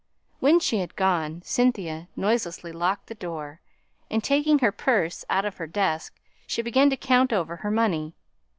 When she had gone, Cynthia noiselessly locked the door; and, taking her purse out of her desk, she began to count over her money.